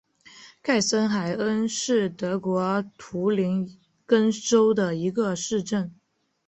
盖森海恩是德国图林根州的一个市镇。